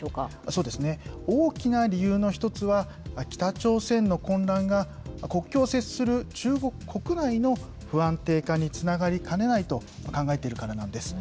そうですね、大きな理由の一つは、北朝鮮の混乱が、国境を接する中国国内の不安定化につながりかねないと考えているからなんです。